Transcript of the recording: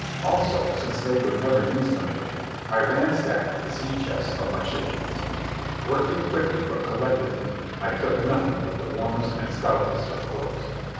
Also, since they would never use them again, I ransacked the sea chests of my shipmates. Working quickly but collectedly, I took nothing but the warmest and stoutest of clothes.